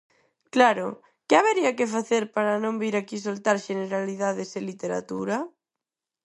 Claro, ¿que habería que facer para non vir aquí soltar xeneralidades e literatura?